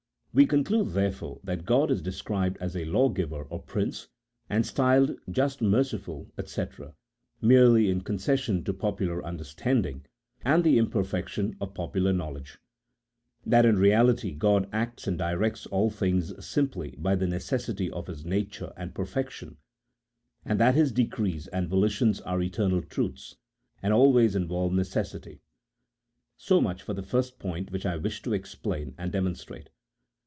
We conclude, therefore, that God is de scribed as a lawgiver or prince, and styled just, merciful, &c, merely in concession to popular understanding, and the imperfection of popular knowledge ; that in reality God acts and directs all things simply by the necessity of His nature and perfection, and that His decrees and voli tions are eternal truths, and always involve necessity. So much for the first point which I wished to explain and de monstrate.